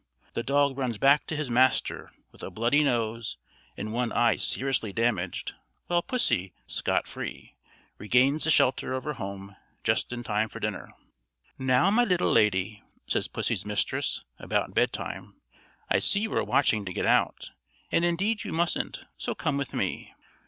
The dog runs back to his master, with a bloody nose and one eye seriously damaged, while pussy, scot free, regains the shelter of her home, just in time for dinner. "Now, my little lady," says pussy's mistress, about bed time, "I see you are watching to get out, and indeed you mustn't; so come with me."